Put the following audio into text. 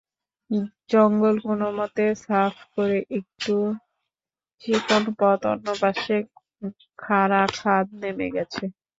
জঙ্গল কোনোমতে সাফ করে একটু চিকন পথ, অন্যপাশে খাড়া খাদ নেমে গেছে।